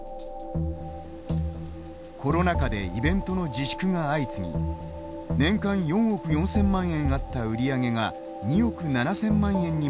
コロナ禍でイベントの自粛が相次ぎ年間４億４，０００万円あった売り上げが２億７，０００万円にまで落ち込みました。